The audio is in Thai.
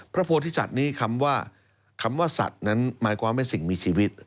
พระโพธิสัตว์นี้คำว่าสัตว์นั้นหมายความให้สิ่งมีชีวิต